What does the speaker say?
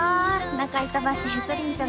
中板橋へそりんちょ！